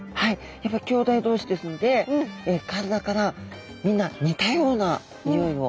やっぱりきょうだい同士ですので体からみんな似たようなにおいを発してるということなんですね。